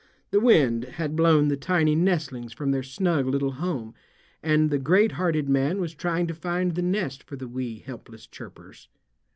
The wind had blown the tiny nestlings from their snug little home and the greathearted man was trying to find the nest for the wee, helpless chirpers.